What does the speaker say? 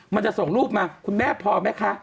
มันจะส่งรูปมาคุณแม่พอไหมคะ